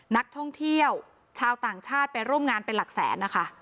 นักท่องเที่ยวชาวต่างชาติไปร่วมงานเป็นหลักแสนนะคะ